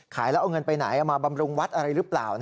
แล้วเอาเงินไปไหนเอามาบำรุงวัดอะไรหรือเปล่า